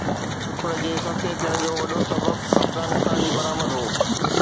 ڪڪڙ جي سستي ٿيڻ جو وڏو سبب افغانستان جي برآمد هو